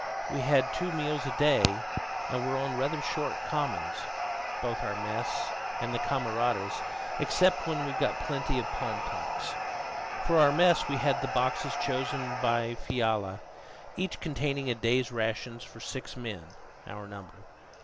We had two meals a day, and were on rather short commons both our mess and the camaradas' except when we got plenty of palm tops. For our mess we had the boxes chosen by Fiala, each containing a day's rations for six men, our number.